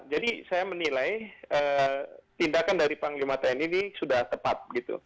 jadi saya menilai tindakan dari panglima tni ini sudah tepat